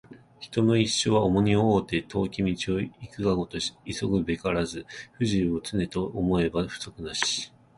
人の一生は重荷を負うて、遠き道を行くがごとし急ぐべからず不自由を、常と思えば不足なし